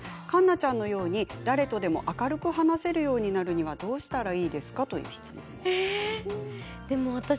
環奈ちゃんのように誰とでも明るく話せるようになるにはどうしたらいいですか？という質問です。